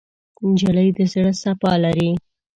نجلۍ د زړه صفا لري.